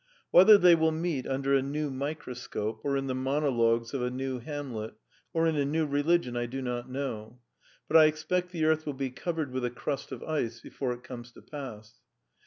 Whether they will meet under a new microscope, or in the monologues of a new Hamlet, or in a new religion, I do not know, but I expect the earth will be covered with a crust of ice before it comes to pass.